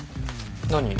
何？